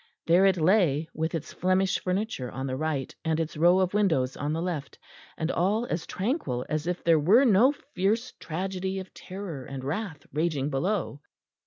There it lay, with its Flemish furniture on the right and its row of windows on the left, and all as tranquil as if there were no fierce tragedy of terror and wrath raging below.